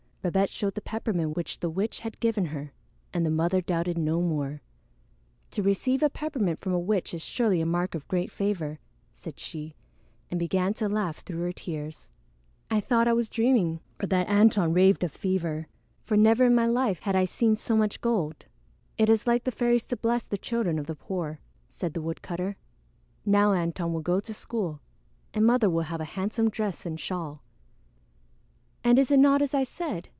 Babette showed the peppermint which the witch had given her, and the mother doubted no more. "To receive a peppermint from a witch is surely a mark of great favor," said she, and began to laugh through her tears. "I thought I was dreaming or that Antone raved of fever, for never in my life had I seen so much gold." "It is like the fairies to bless the children of the poor," said the woodcutter. "Now Antone will go to school, and Mother will have a handsome dress and shawl." "And is it not as I said?"